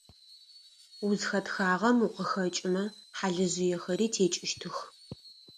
Узхэтхагъэм укъыхэкӏымэ хьалыжыехэри текӏыщтых.